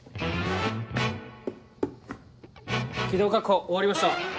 気道確保終わりました。